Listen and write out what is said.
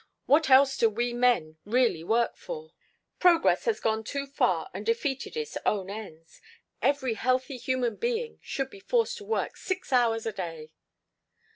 What else do we men really work for?" "Progress has gone too far and defeated its own ends. Every healthy human being should be forced to work six hours a day.